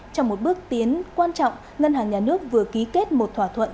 trong một bước tiến quan trọng ngân hàng nhà nước vừa ký kết một thỏa thuận